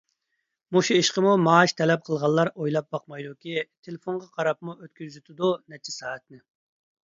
مۇشۇ ئىشقىمۇ مائاش تەلەپ قىلغانلار ئويلاپ باقمايدۇكى، تېلېفونىغا قاراپمۇ ئۆتكۈزۈۋېتىدۇ نەچچە سائەتنى.